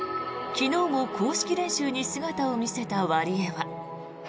昨日も公式練習に姿を見せたワリエワ。